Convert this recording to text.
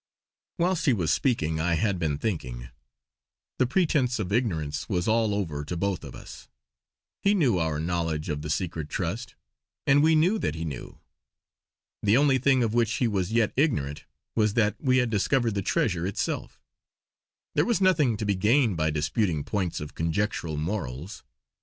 Whilst he was speaking I had been thinking. The pretence of ignorance was all over to both of us; he knew our knowledge of the secret trust, and we knew that he knew. The only thing of which he was yet ignorant, was that we had discovered the treasure itself. There was nothing to be gained by disputing points of conjectural morals.